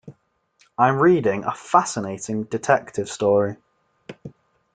I'm reading a fascinating detective story.